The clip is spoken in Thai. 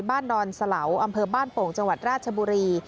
ดอนสลาวอำเภอบ้านโป่งจังหวัดราชบุรี